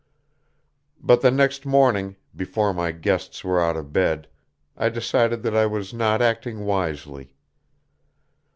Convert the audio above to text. But the next morning, before my guests were out of bed, I decided that I was not acting wisely.